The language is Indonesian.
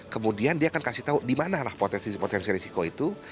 kemudian dia akan kasih tahu di mana potensi potensi risiko itu